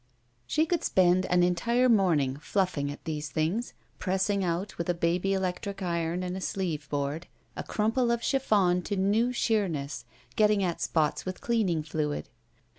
She could spend an entire morning fluffing at these things, pressing out, with a baby electric iron and a sleeve board, a crmnple of chiffon to new sheemess, getting at spots with cleaning fluid.